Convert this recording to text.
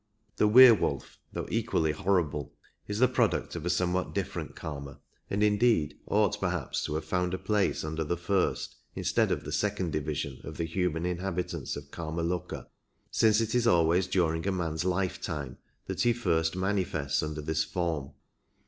The Werewolf, though equally horrible, is the product of a somewhat different Karma, and indeed ought perhaps to have found a place under the first instead of the second division of the human inhabitants of Kimaloka, since it is always during a man's lifetime that he first manifests under this form.